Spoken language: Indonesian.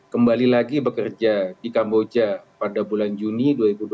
kembali lagi bekerja di kamboja pada bulan juni dua ribu dua puluh